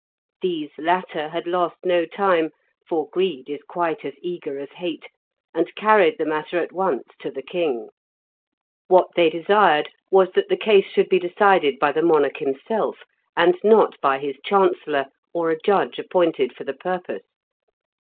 These latter had lost no time, for greed is quite as eager as hate, and carried the matter at once to the king. What they desired was that the case should be decided by the monarch himself, and not by his chancellor, or a judge appointed for the purpose.